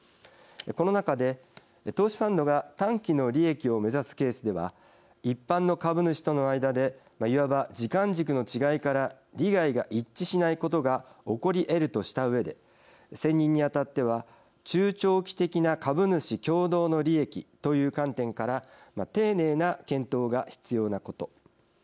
この中で、投資ファンドが短期の利益を目指すケースでは一般の株主との間でいわば時間軸の違いから利害が一致しないことが起こりえるとしたうえで選任にあたっては中長期的な株主共同の利益という観点から丁寧な検討が必要なこと。